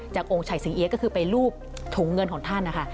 จากองค์ไฉสิงเหียก็คือไปลูบถุงเงินของท่านนะคะ